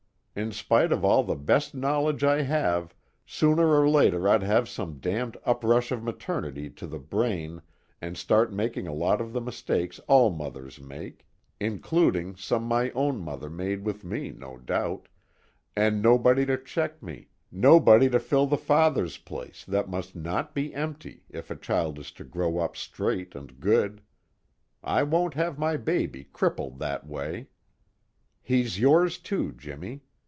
In spite of all the best knowledge I have, sooner or later I'd have some damned uprush of maternity to the brain and start making a lot of the mistakes all mothers make including some my own mother made with me, no doubt and nobody to check me, nobody to fill the father's place that must not be empty if a child is to grow up straight and good. I won't have my baby crippled that way. "He's yours too, Jimmy.